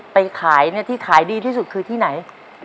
ไปขายที่ขายดีที่สุดคือที่ไหน